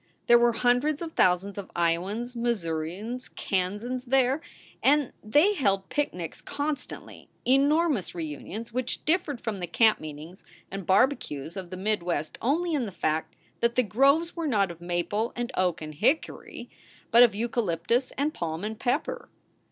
There were hundreds of thousands of lowans, Missourians, Kansans there; and they held picnics con stantly enormous reunions which differed from the camp meetings and barbecues of the mid West only in the fact that the groves were not of maple and oak and hickory, but of eucalyptus and palm and pepper.